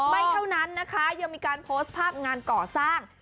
ไม่เท่านั้นนะคะยังมีการโพสต์ภาพงานก่อสร้าง